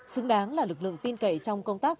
xứng đáng là lực lượng tin cậy trong công tác